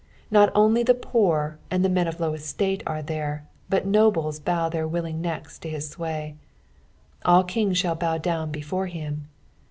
Not only the pour and the men of low estate are there, but nobles bow their willing necks to Ms sway. " All kings shall bow dowu before him.''